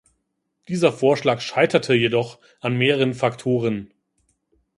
Dieser Vorschlag scheiterte jedoch an mehreren Faktoren.